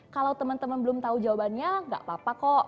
kalau teman teman belum tahu jawabannya nggak apa apa kok